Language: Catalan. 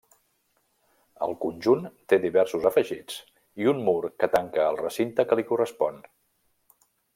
El conjunt té diversos afegits i un mur que tanca el recinte que li correspon.